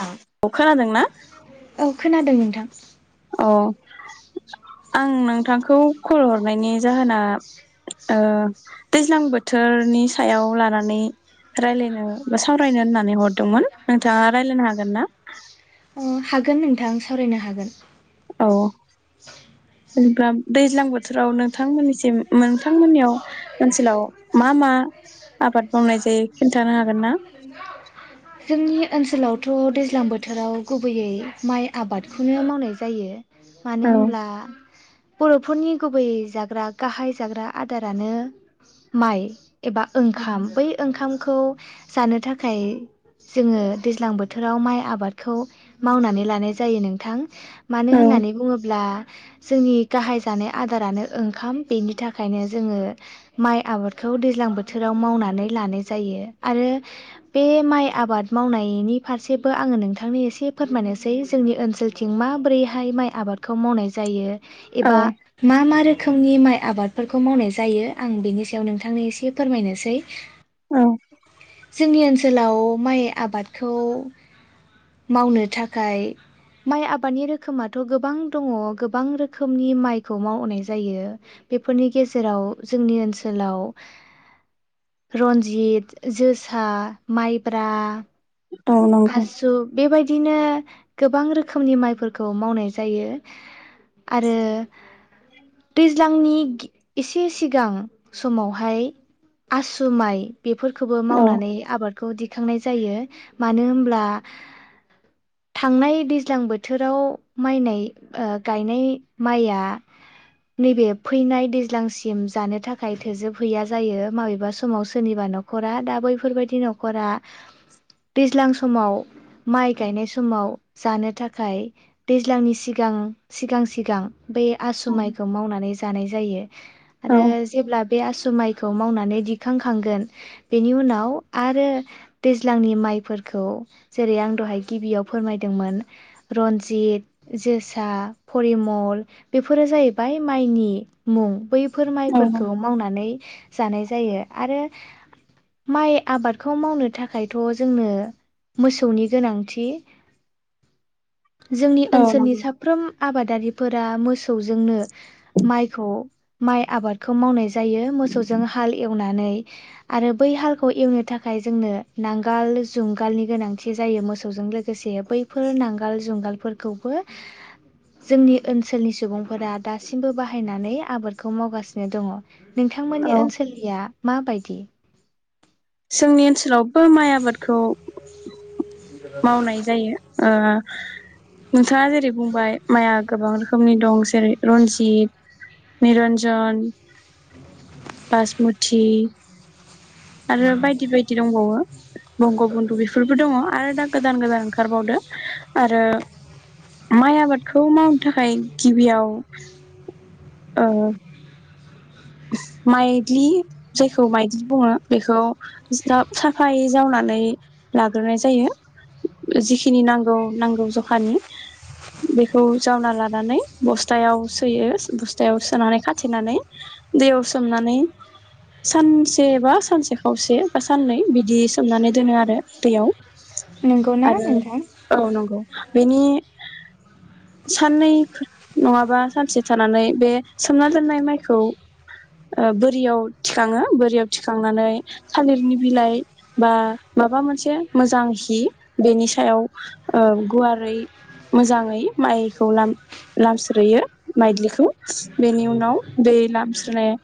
थां अखा हादोंना? औ खोनादों नोंथां? अ आं नोंथांखौ कल हरनायनि जाहोना ओ दैज्लां बोथोरनि सायाव लानानै रायलायनो बा सावरायनो होननानै हरदोंमोन नोंथाङा रायलायनो हागोन ना? अ हागोन नोंथां सावरायनो हागोन। अ जेनोब्ला दैज्लां बोथोराव नोंथांमोननिसिम नोंथांमोननियाव ओनसोलाव मा मा आबाद मावनाय जायो खिनथानो हागोन ना? जोंनि ओनसोलावथ' दैज्लां बोथोराव गुबैयै माइ आबादखौनो मावनाय जायो। मानो औ होनब्ला बर' फोरनि गुबैयै जाग्रा गाहाय जाग्रा आदारानो माइ। एबा ओंखाम बै ओंखाम खौ जानो थाखाय जोङो दैज्लां बोथोराव माइ आबादखौ मावनानै लानाय जायो नोंथां। मानो औ होननानै बुङोब्ला? जोंनि गाहाय जानाय आदारानो ओंखाम बेनि थाखायनो जोङो माइ आबादखौ दैज्लां बोथोराव मावनानै लानाय जायो आरो बे माइ आबाद मावनायनि फारसेबो आङो नोंथांनो एसे फोरमायनोसै जोंनि ओनसोलथिं माबोरैहाय माइ आबादखौ मावनाय जायो। औ एबा मा मा रोखो रोखोमनि माइ आबादफोरखौ मावनाय जायो आं बेनि सायाव नोंथांनो एसे फोरमायनोसै। औ जोंनि ओनसोल सोलाव माइ आबादखौ मावनो थाखाय माइ आबादनि रोखोमाथ' गोबां दङ गोबां रोखोमनि माइखौ मावनाय जायो बेफोरनि गेजेराव जोंनि ओनसोलाव रनजित, जोसा, माइ ब्रा, औ नंगौ आसु बेबायदि बिदिनो गोबां रोखोमनि माइफोरखौ मावनाय जायो आरो दैज्लांनि एसे सिगां समावहाय आसु माइ बे फोरखौबो औ मावनानै आबाद खौ दि गायखांनाय जायो मानो होनब्ला थांनाय दैज्लां बोथोराव माइनाय गायनाय माइया नैबे फैनाय दैज्लांसिम जानो थाखाय थोजोबहैया जायो माबेबा समाव सोरनिबा न'खरा दा बैफोरबायदि न'खरा दैज्लां समाव माइ गायनाय समाव जानो थाखाय दैज्लांनि सिगां सिगां सिगां बे आसु माइखौ मावनानै जानाय जायो। औ आरो जेब्ला बे आसु माइ खौ मावनानै दिखां खांगोन बेनि उनाव आरो‌ दैज्लांनि माइफोरखौ जेरै आं दहाय गिबियाव फोरमायदोंमोन रन्जित, जोसा, परिमल बेफोरो जाहैबाय माइनि मुं बै फोर माइ फोरखौ मावनानै जानाय जायो आरो माइ आबादखौ मावनो थाखा थाखायथ' जोंनो मोसौनि गोनांथि। जोंनि औ ओनसोलनि नंगौ साफ्रोम आबादारि फोरा मोसौजोंनो माइखौ माइ आबादखौ मावनाय जायो मोसौजों हाल एवनानै आरो बै हालखौ एवनो थाखाय जोंनो नांगोल जुंगालनि गोनांथि जायो मोसौजों लोगोसे बैफोर नांगोल जुंगालफोरखौबो जोंनि ओनसोलनि सुबुंफोरा दासिमबो बाहायनानै आबादखौ मावगासिनो दङ। नोंथांमोननि औ ओनसोलनिया मा बायदि जोंनि ओनसोलाव [inaudible] मावनाय जायो ओ नोंथाङा जेरै बुंबाय माइआ गोबां रोखोमनि दं जेरै रन्जित निरन्जन बासमुति आरो बायदि बायदि दंबावो बंग' बन्दु बेफोरबो दङ आरो दा गोदान गोदान ओंखारबावदो आरो माइ आबादखौ मावनो थाखाय गिबियाव ओ माइदलि जायखौ माइदलि बुङो बेखौ जाब साफायै जावनानै लाग्रोनाय जायो जिखिनि नांगौ नांगौ जखानि बेखौ जावना लानानै बस्थायाव सोयो बस्थायाव सोनानै खाथेनानै दैयाव सोमनानै सानसे बा सानसे खावसे बा साननै बिदि सोमनानै दोनो आरो दैयाव नंगौना आरो नोंथां औ नंगौ बेनि साननै नङाबा सानसे थानानै बे सोमना दोननाय माइखौ ओ बोरियाव थिखाङो बोरियाव थिखांनानै थालिरनि बिलाइ बा माबा मोनसे मोजां हि बेनि सायाव ओ गुवारै मोजाङै माइखौ लाम लामस्रोयो माइदिलिखौ बेनि उनाव दै लामस्रो ए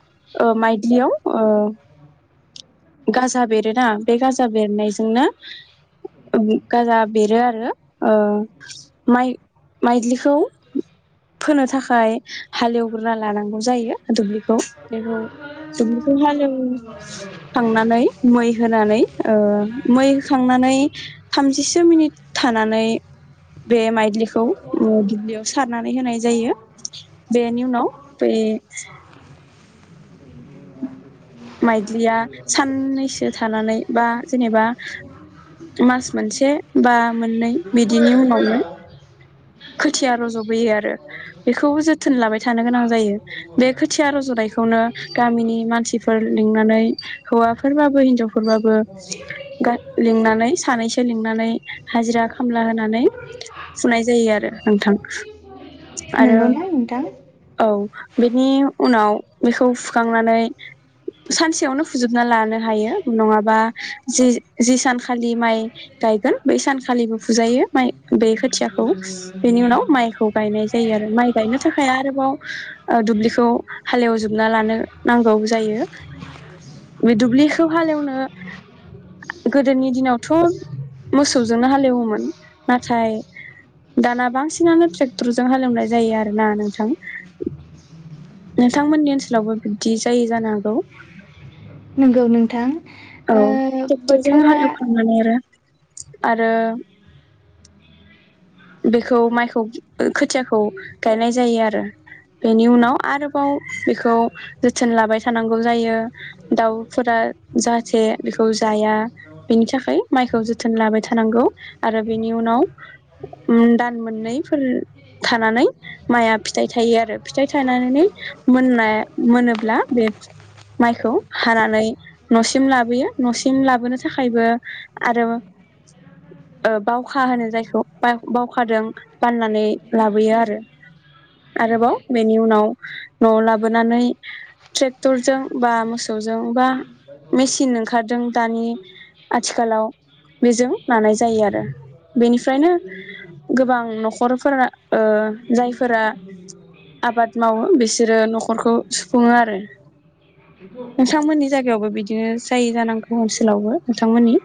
ओ माय गियाव ओ गाजा बेरोना बे गाजा बेरनायजोंनो गाजा बेरो आरो ओ माइ माइलिखौ फोनो थाखाय हालेवग्रा लानांगौ जायो दुब्लिखौ बेखौ दुब्लिखौ हालेव खांनानै मै होनानै ओ मै होखांनानै थामजिसो मिनिट थानानै बे माइदिलिखौ ओ दुब्लियाव सारनानै होनाय जायो बेनि उनाव बै माइदिलिया साननैसो थानानै बा जेनेबा मास मोनसे बा मोननै बिदिनि उनावनो खोथिया रज'बोयो आरो बेखौबो जोथोन लाबाय थानो गोनां जायो बे खोथिया रज'नायखौनो गामिनि मानसिफोर लिंनानै हौवाफोरबाबो हिनजावफोरबाबो गा लिंनानै सानैसो लिंनानै हाजिरा खामला होनानै फुनाय जायो आरो ओ ङोथां नंगौना नोंथां बेनि उनाव बेखौ फुखांनानै सानसेयावनो फुजोबना लानो हायो नङाबा जि जि सानखालि माइ गायगोन बै सानखालिबो फुजायो माइ बे खोथियाखौ बेनि उनाव माइखौ गायनाय जायो आरो माइ गायनो थाखाय आरोबाव ओ दुब्लिखौ हालेवजोबना लानो नांगौ जायो बे दुब्लिखौ हालएवनो गोदोनि दिनावथ' मोसौजोंनो हालेवोमोन नाथाय दाना बांसिनानो ट्रेक्टरजों हालेवनाय जायो आरो ना नोंथां नोंथांमोननि ओनसोलावबो बिब्दि जायो जानो हागौ नंगौ नोंथां औ ओ ट्रेक्टरजों बोथोरा हालेवखांनानै आरो आरो बेखौ माइखौ खोथियाखौ गायनाय जायो आरो बेनि उनाव आरोबाव बेखौ जोथोन लाबाय थानांगौ जायो दाउफोरा जाहाथे बेखौ जाया बेनि थाखाय माइखौ जोथोन लाबाय थानांगौ आरो बेनि उनाव ओम दान मोननैफोर थानानै माइआ फिथाइ थायो आरो फिथाइ थानानै मोननाय मोनोब्ला बे माइखौ हानानै न'सिम लाबोयो न'सिम लाबोनो थाखायबो आरो ओ बावखा होनो जायखौ बा बावखादों बाननानै लाबोयो आरो आरोबाव बेनि उनाव न'आव लाबोनानै ट्रेक्टरजों बा मोसौजों बा मेसिन ओंखारदों दानि आथिखालाव बेजों लानाय जायो आरो बेनिफ्रायनो गोबां न'खरफोरा ओ जायफोरा आबाद मावो बिसोरो न'खरखौ सुफुङो आरो नोंथांमोननि जायगायावबो बिदिनो जायो जानांगौ ओनसोलावबो नोंथांमोननि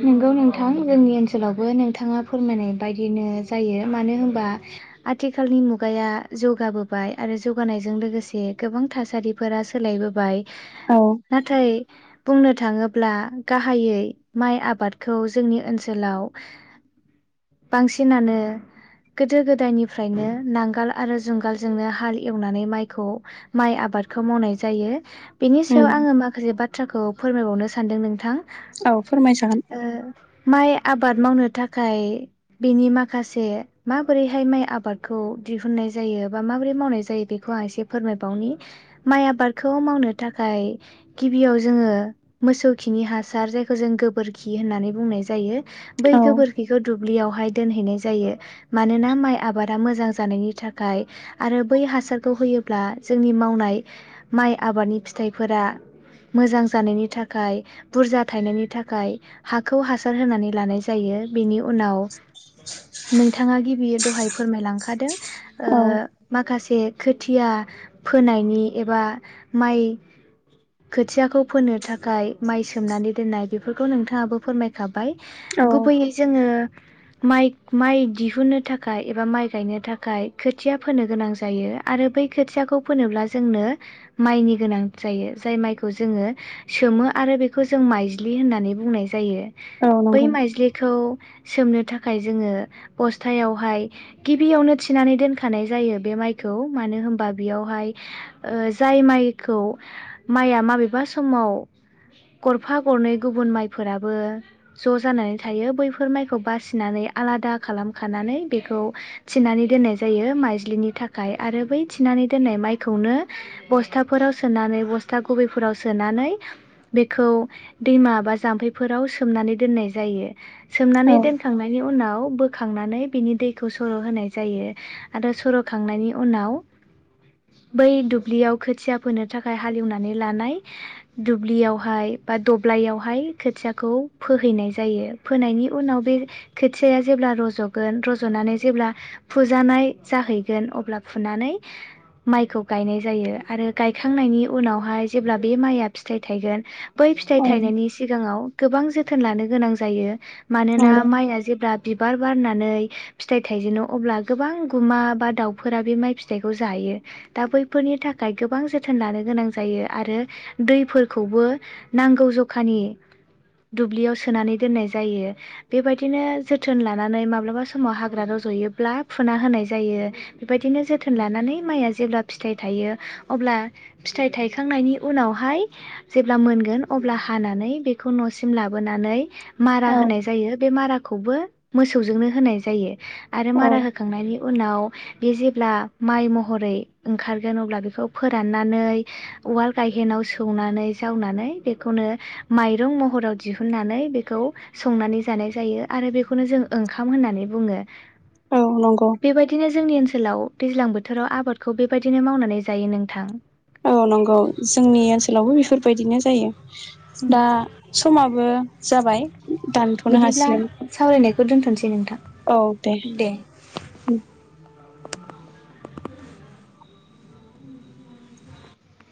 नोंगौ नोंथां जोंनि ओनसोलावबो नोंथाङा फोरमायनाय बायदिनो जायो मानो होनबा आथिखालनि मुगाया जौगाबोबाय आरो जौगानायजों लोगोसे गोबां थासारिफोरा सोलायबोबाय औ नाथाय बुंनो थाङोब ब्ला गाहायै माइ आबाद आबादखौ जोंनि ओनसोलाव बांसिनानो गोदो गोदायनिफ्रायनो नांगोल आरो जुंगालजोंनो हाल एवनानै माइखौ माइ आबादखौ मावनाय जायो बेनि उम सायाव आङो माखासे बाथ बाथ्राखौ फोरमायबावनो सानदों नोंथां औ फोरमायसागोन ओ माइ आबाद मावनो थाखाय बेनि माखासे माबोरैहाय माइ आबादखौ दिहुननाय जायो बा माबोरै मावनाय जायो बेखौ आं एसे फोरमायबावनि माइ आबादखौ मावनो थाखाय गिबियाव जोङो मोसौ खिनि हासार जायखौ जों गोबोरखि खि होननानै बुंनाय जायो बै औ गोबोरखिखौ दुब्लियावहाय दोनहैनाय जायो मानोना माइ आबादा मोजां जानायनि थाखाय आरो बै हासारखौ होयोब्ला जोंनि मावनाय माइ आबादनि फिथाइफोरा मोजां जानायनि थाखाय बुरजा थनायनि थाखाय हाखौ हासार होनानै लानाय जायो बेनि उनाव नोंथाङा गिबि दहाय फोरमायलांखादों ओ औ माखासे खोथिया फोनायनि एबा माइ खोथियाखौ फोनो थाखाय माइ सोमनानै दोननाय बेफोरखौ नोंथां [unintelligible] फोरमायखाब बाय औ गुबैयै जोङो माइ माइ दिहुनो थाखाय एबा माइ गायनो थाखाय खोथिया फोनो गोनां जायो आरो बै खोथियाखौ फोनोब्ला जोंनो माइनि गोनां जायो जाय माइखौ जोङो सोमो आरो बेखौ जों माइज्लि होननानै बुंनाय जा जायो औ बै नंगौ माइज्लिखौ सोमनो थाखाय जोङो बस्थायावहाय गिबियावनो थिनानै दोनखानाय जायो बे माइखौ मानो होनबा बेयावहाय जाय माइखौ माइया माबेबा समाव गरफा गरनै गुबुन माइ फोराबो ज जानानै थायो बैफोर माइखौ बासिनानै आलादा खालामखानानै बेखौ थिनानै दोननाय जायो माइज्लिनि थाखाय आरो बै थिनानै दोननाय माइखौनो बस्थाफोराव सोनानै बस्था गुबैफोराव सोनानै बेखौ दैमा बा जाम्फैफोराव सोमनानै दोननाय जायो। औ सोमनानै दोनखांनायनि उनाव खौ बोखांनानै बिनि दैखौ सर होनाय जायो आरो सरखांनायनि उनाव बै दुब्लियाव खोथिया फोनो थाखाय हालेवनानै लानाय दुब्लियावहाय बा दब्लयावहाय खोथियाखौ फोहैनाय जायो फोनायनि उनाव बे खोथियाया जेब्ला रजगोन रजनानै जेब्ला फुजानाय जाहैगोन अब्ला फुनानै माइखौ गायनाय जायो आरो गायखांनायनि उनावहाय जेब्ला बे माइया फिथाइ थायगोन बै फिथाइ औ थायनायनि ङाव गोबां जोथोन लानो गोनां जायो। मानोना नंगौ माइआ जेब्ला बिबार बारनानै फिथाइ थाइजेनो अब्ला गोबां गुमा बा दाउफोरा बे माइ फिथाइखौ जायो दा बैफोरनि थाखाय गोबां जोथोन लानो गोनां जायो आरो दैफोरखौबो नांगौ जखानि दुब्लियाव सोनानै दोननाय जायो बेबायदिनो जोथोन लानानै माब्लाबा समाव हाग्रा रजयोब्ला फुना होनाय जायो बेबायदिनो जोथोन लानानै माइआ जेब्ला फिथाइ थायो अब्ला फिथाइ थायखांनायनि उनावहाय जेब्ला मोनगोन अब्ला हानानै बे खौ नसिम लाबोनानै मारा औ होनाय जायो बे मारा खौबो मोसौजोंनो होनाय जायो। आरो औ मारा होखांनायनि उनाव बे जेब्ला माइ महरै ओंखारगोन अब्ला बेखौ फोराननानै उवाल गायहेनाव सौनानै जावनानै बेखौनो माय रुं महराव दिहुननानै बेखौ संनानै जानाय जायो आरो बेखौनो जों ओंखाम होननानै बुङो। औ नंगौ बेबायदिनो जोंनि ओ ओनसोलाव दैज्लां बोथोराव आबादखौ बेबायदिनो मावनानै जायो नोंथां। औ नंगौ जोंनि ओनसोलावबो बेफोरबायदिनो जायो। दा समाबो जाबाय दानथनो बिदिब्ला हासिगोन। सावरायनायखौ [unintelligible] औ दे। [unintelligible]